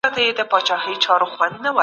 اسلام په تجارت کي رښتینولي غواړي.